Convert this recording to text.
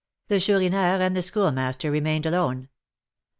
The Chourineur and the Schoolmaster remained alone.